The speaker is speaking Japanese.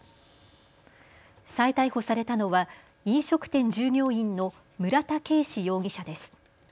再逮捕されたのは飲食店従業員の村田圭司容疑者です。